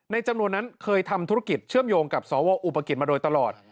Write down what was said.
จำนวนนั้นเคยทำธุรกิจเชื่อมโยงกับสวอุปกิจมาโดยตลอด